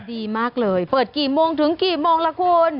ดีมากเลยเปิดกี่โมงถึงกี่โมงล่ะคุณ